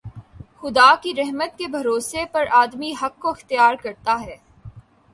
خدا کی رحمت کے بھروسے پر آدمی حق کو اختیار کرتا